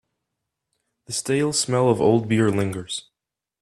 The stale smell of old beer lingers.